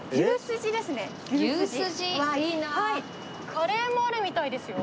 カレーもあるみたいですよ。